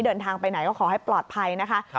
เดินทางไปไหนก็ขอให้ปลอดภัยนะคะ